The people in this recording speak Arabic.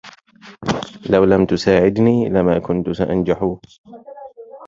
لو لم تساعدني، لما كنت سأنجح.